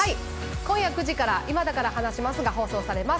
今夜９時から『今だから話します』が放送されます。